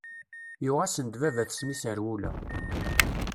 Yuɣ-asen-d baba-tsen iserwula.